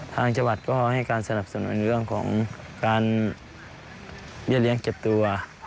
ทางจังหวัดก็ให้การสนับสนุนเรื่องของการเบี้ยเลี้ยงเก็บตัว